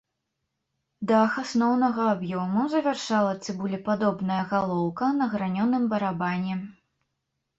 Дах асноўнага аб'ёму завяршала цыбулепадобная галоўка на гранёным барабане.